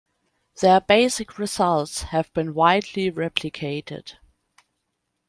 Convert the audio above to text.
Their basic results have been widely replicated.